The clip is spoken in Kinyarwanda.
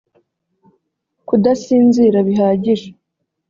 Kudasinzira bihagije